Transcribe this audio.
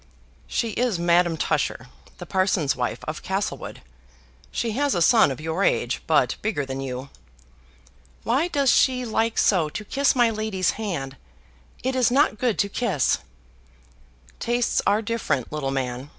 "She is Madame Tusher, the parson's wife of Castlewood. She has a son of your age, but bigger than you." "Why does she like so to kiss my lady's hand. It is not good to kiss." "Tastes are different, little man.